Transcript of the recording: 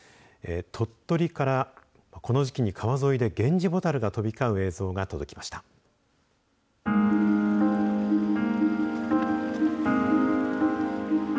鳥取からこの時期に川沿いでゲンジボタルが飛び交う映像が届きました。